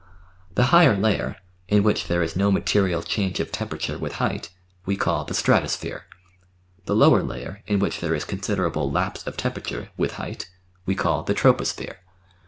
The higher layer, in which there is no material change of temperature with height, we call the "stratosphere." The lower layer, in which there is considerable lapse of temperature with height, we call the "troposphere."